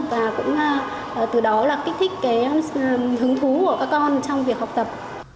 và cũng từ đó là kích thích cái hứng thú của các con trong việc học tập